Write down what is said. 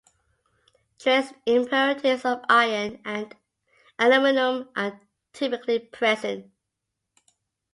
Trace impurities of iron and aluminium are typically present.